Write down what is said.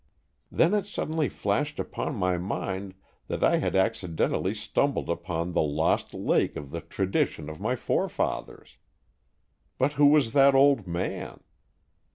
Then it suddenly flashed upon my mind that I had accidentally stumbled upon the lost lake of the tradition of my forefathers. But who was that old man?